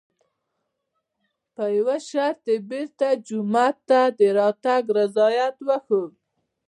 په یوه شرط یې بېرته جومات ته د راتګ رضایت وښود.